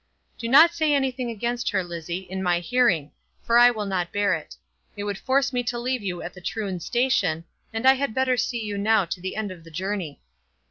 "Do not say anything against her, Lizzie, in my hearing, for I will not bear it. It would force me to leave you at the Troon station, and I had better see you now to the end of the journey."